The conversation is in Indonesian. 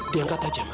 diam saja ma